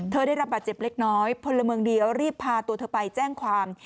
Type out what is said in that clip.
ได้รับบาดเจ็บเล็กน้อยพลเมืองดีรีบพาตัวเธอไปแจ้งความ